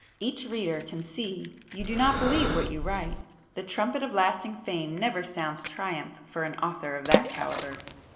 Each reader can see you do not believe what you write,—the trumpet of lasting fame never sounds triumph for an author of that calibre."